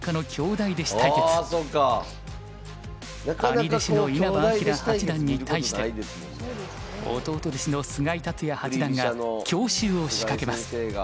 兄弟子の稲葉陽八段に対して弟弟子の菅井竜也八段が強襲を仕掛けます。